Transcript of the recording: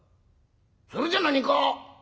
それじゃ何か？